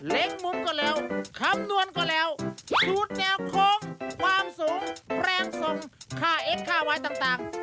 เล็กมุมก็แล้วคำนวนก็แล้วสูตรแนวโค้งความสูงแรงสมค่าเอ็กซ์ค่าวายต่าง